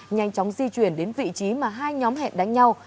nhanh chóng di chuyển đến vị trí mà hai nhóm hẹn đánh nhau